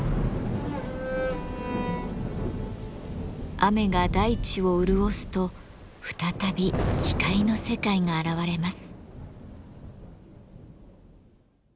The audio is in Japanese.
雨が大地を潤すと再び光の世界が現れます。